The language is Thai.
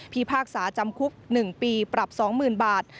พากษาจำคุก๑ปีปรับ๒๐๐๐บาท